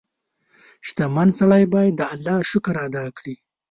• شتمن سړی باید د الله شکر ادا کړي.